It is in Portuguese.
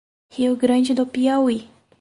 Rio Grande do Piauí